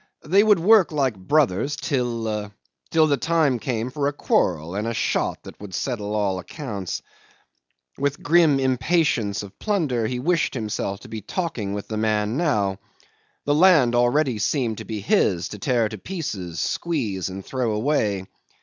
They would work like brothers till ... till the time came for a quarrel and a shot that would settle all accounts. With grim impatience of plunder he wished himself to be talking with the man now. The land already seemed to be his to tear to pieces, squeeze, and throw away.